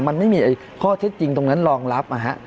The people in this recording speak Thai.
มันไม่มีข้อเท็จจริงตรงนั้นรองรับ